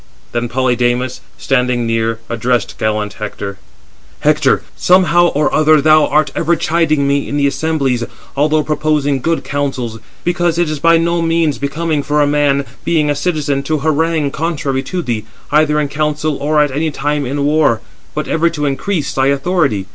Then Polydamas, standing near, addressed gallant Hector: "Hector, somehow or other thou art ever chiding me in the assemblies, although proposing good counsels; because it is by no means becoming for a man, being a citizen, to harangue contrary to thee, either in council or at any time in war; but ever to increase thy authority.